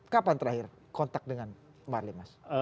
kapan terakhir kontak dengan marlimas